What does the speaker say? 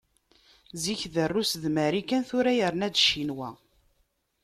Zik d Rrus d Marikan, tura yerna-d Ccinwa.